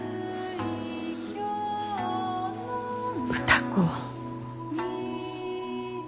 歌子。